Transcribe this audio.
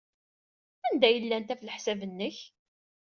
Anda ay llant, ɣef leḥsab-nnek?